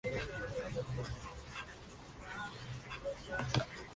Tras su etapa universitaria trabajó en el despacho del abogado Jaime de Semir.